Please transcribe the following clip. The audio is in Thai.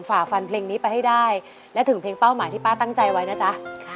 ฝ่าฟันเพลงนี้ไปให้ได้และถึงเพลงเป้าหมายที่ป้าตั้งใจไว้นะจ๊ะ